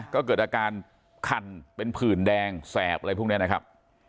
ก็เกิดอาการคันเป็นผื่นแดงแสบอะไรพวกนี้นะครับ